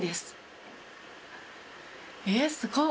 えっすごっ。